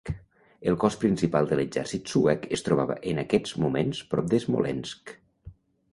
El cos principal de l'exèrcit suec es trobava en aquests moments prop de Smolensk.